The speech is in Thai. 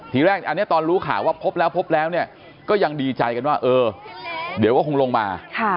ทีแรกอันนี้ตอนรู้ข่าวว่าพบแล้วพบแล้วเนี่ยก็ยังดีใจกันว่าเออเดี๋ยวก็คงลงมา